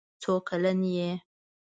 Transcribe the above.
څو کلن یې؟